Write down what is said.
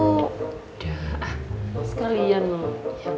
udah sekalian loh